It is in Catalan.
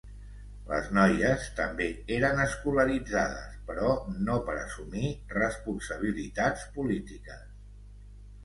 Les noies també eren escolaritzades, però no per assumir responsabilitats polítiques.